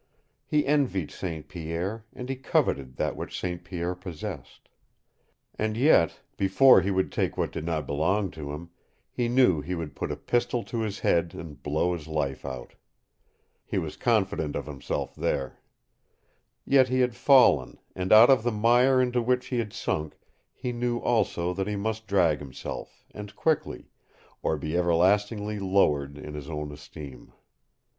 He envied St. Pierre, and he coveted that which St. Pierre possessed. And yet, before he would take what did not belong to him, he knew he would put a pistol to his head and blow his life out. He was confident of himself there. Yet he had fallen, and out of the mire into which he had sunk he knew also that he must drag himself, and quickly, or be everlastingly lowered in his own esteem.